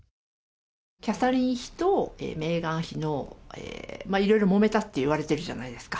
キャサリン妃とメーガン妃のいろいろもめたっていわれてるじゃないですか。